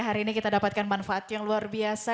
hari ini kita dapatkan manfaat yang luar biasa